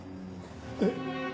えっ？